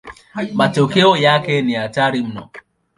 Matokeo yake ni hatari mno.